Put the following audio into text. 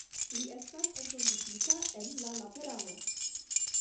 Li estas entombigita en la Laterano.